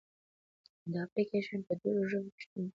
دا اپلیکیشن په ډېرو ژبو کې شتون لري.